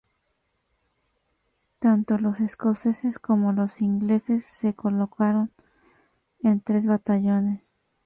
Tanto los escoceses como los ingleses se colocaron en tres batallones.